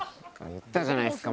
言ったじゃないですか。